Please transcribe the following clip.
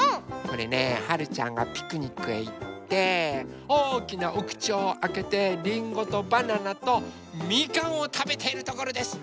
これねはるちゃんがピクニックへいっておおきなおくちをあけてりんごとバナナとみかんをたべているところです！